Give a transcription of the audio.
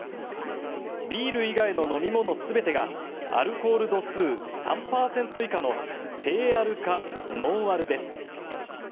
ビール以外の飲み物全てがアルコール度数３％以下の低アルかノンアルです。